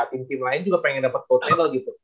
mungkin lain juga pengen dapet gold medal gitu